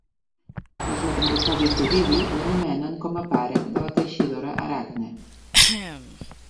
Les Metamorfosis d'Ovidi l'anomenen com a pare de la teixidora Aracne.